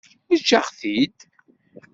Eǧǧ-aɣ-t-id.